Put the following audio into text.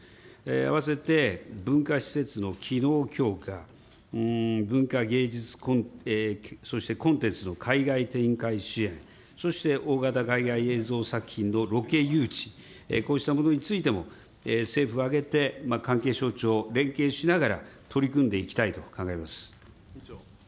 併せて文化施設の機能強化、文化芸術、そしてコンテンツの海外展開支援、そして大型海外映像作品のロケ誘致、こうしたものについても、政府挙げて関係省庁、連携しながら、取り組んでいきたいと考えます。